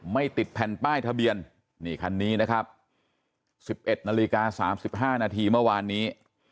ไม่ติดแผ่นป้ายทะเบียนนี่คันนี้นะครับ๑๑นาฬิกา๓๕นาทีเมื่อวานนี้